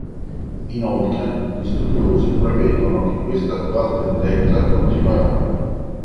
Inoltre, gli studiosi prevedono che questa attuale tendenza continuerà.